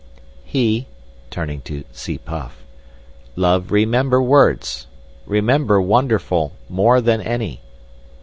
"'He'—turning to Tsi puff—'love remember words. Remember wonderful more than any.